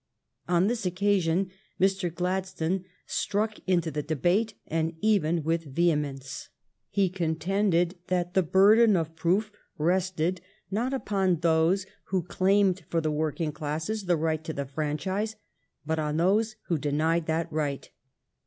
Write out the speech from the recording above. On this occasion Mr. Gladstone struck into the debate, and even with vehemence. He contended that the burden of proof rested, not upon those 247 248 THE STORY OF GLADSTONE'S LIFE who claimed for the working classes the right to the franchise, but on those who denied that right.